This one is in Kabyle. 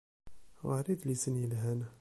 Ɣer idlisen yelhan.